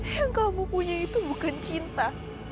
yang kamu punya itu bukan cinta